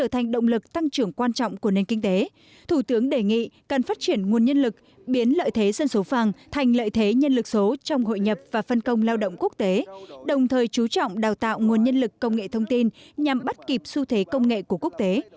thành động lực tăng trưởng quan trọng của nền kinh tế thủ tướng đề nghị cần phát triển nguồn nhân lực biến lợi thế dân số phàng thành lợi thế nhân lực số trong hội nhập và phân công lao động quốc tế đồng thời chú trọng đào tạo nguồn nhân lực công nghệ thông tin nhằm bắt kịp xu thế công nghệ của quốc tế